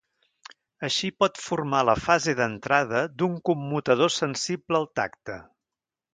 Així pot formar la fase d'entrada d'un commutador sensible al tacte.